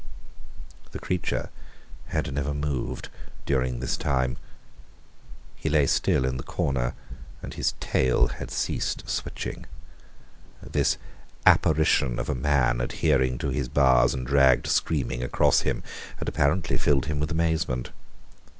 The creature had never moved during this time. He lay still in the corner, and his tail had ceased switching. This apparition of a man adhering to his bars and dragged screaming across him had apparently filled him with amazement.